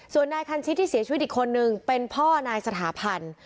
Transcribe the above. ส่วนนายคันชิดที่เสียชีวิตอีกคนนึงเป็นพ่อนายสถาพันธ์